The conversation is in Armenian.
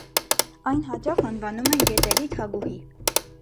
Այն հաճախ անվանում են «գետերի թագուհի»։